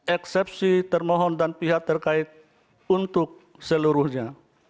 eksepsi termohon dan pihak terkait untuk seluruhnya